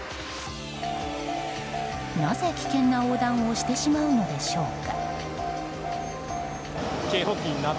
なぜ危険な横断をしてしまうのでしょうか？